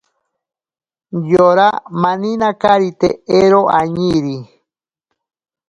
Yora maninakarite ero añiiri.